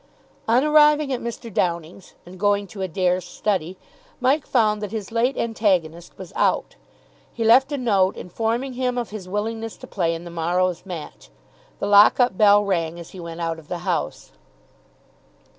On arriving at Mr. Downing's and going to Adair's study, Mike found that his late antagonist was out. He left a note informing him of his willingness to play in the morrow's match. The lock up bell rang as he went out of the house.